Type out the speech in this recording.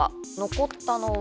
残ったのは。